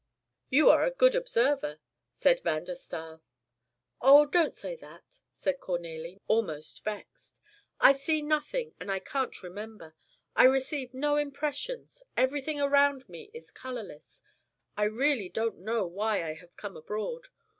"You're a good observer," said Van der Staal. "Oh, don't say that!" said Cornélie, almost vexed. "I see nothing and I can't remember. I receive no impressions. Everything around me is colourless. I really don't know why I have come abroad....